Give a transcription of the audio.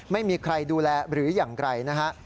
ไม่มีใครดูแลหรืออย่างไรนะฮะ